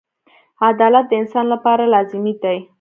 • عدالت د انسان لپاره لازمي دی.